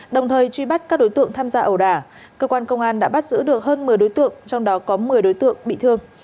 đồng thời truy bắt các đối tượng tham gia ẩu đả cơ quan công an đã bắt giữ được hơn một mươi đối tượng trong đó có một mươi đối tượng bị thương